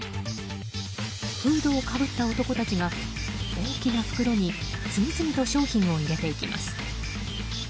フードをかぶった男たちが大きな袋に次々と商品を入れていきます。